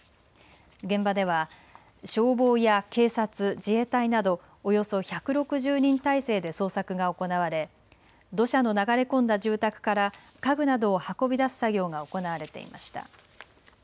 現場では消防や警察、自衛隊などおよそ１６０人態勢で捜索が行われ土砂の流れ込んだ住宅から家具などを運び出す作業が行われていました。